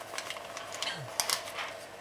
딴전을 부리며 살그머니 손을 빼어 내려고 든다.